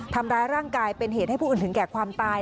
ทำร้ายร่างกายเป็นเหตุให้ผู้อื่นถึงแก่ความตาย